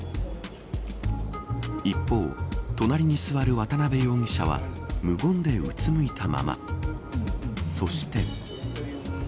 一方、隣に座る渡辺容疑者は無言で、うつむいたままそして。